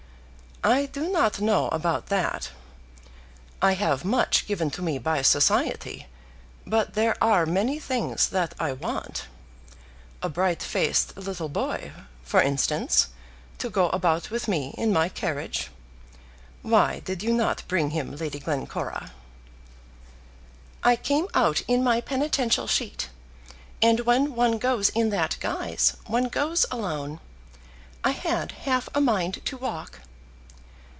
"I do not know about that. I have much given to me by society, but there are many things that I want; a bright faced little boy, for instance, to go about with me in my carriage. Why did you not bring him, Lady Glencora?" "I came out in my penitential sheet, and when one goes in that guise, one goes alone. I had half a mind to walk."